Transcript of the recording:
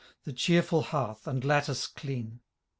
The cheerful hearth, and lattice clean.